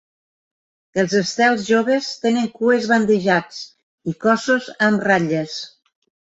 Els estels joves tenen cues bandejats i cossos amb ratlles.